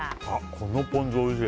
このポン酢おいしい。